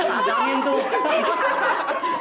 ada angin tuh